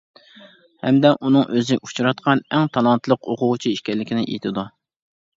ھەمدە ئۇنىڭ ئۆزى ئۇچراتقان ئەڭ تالانتلىق ئوقۇغۇچى ئىكەنلىكىنى ئېيتىدۇ.